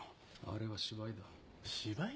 あれは芝居だ。